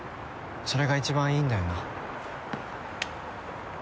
それが一番いいんだよな？